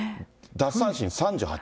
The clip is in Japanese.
奪三振３８。